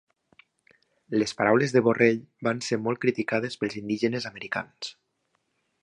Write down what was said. Les paraules de Borrell van ser molt criticades pels indígenes americans